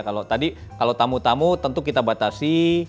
kalau tadi kalau tamu tamu tentu kita batasi